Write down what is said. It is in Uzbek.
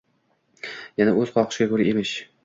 Yana o'z xohishiga ko'ra emish